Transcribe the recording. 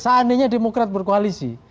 seandainya demokrat berkoalisi